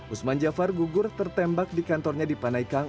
usman jafar gugur tertembak di kantornya di panaikang